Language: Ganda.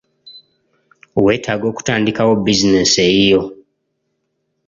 Weetaaga okutandikawo bizinensi eyiyo.